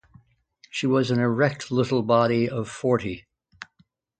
She was an erect little body of forty.